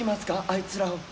あいつらを。